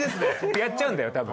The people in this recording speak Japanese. やっちゃうんだよたぶん。